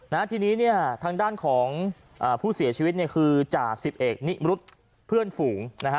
นะฮะทีนี้เนี่ยทางด้านของอ่าผู้เสียชีวิตเนี่ยคือจ่าสิบเอกนิมรุษเพื่อนฝูงนะฮะ